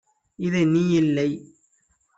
இது நீ இல்லை